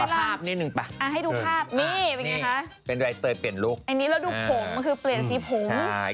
กินหน่อยไหนล่ะกันให้ดูภาพนี้นิดนึงไป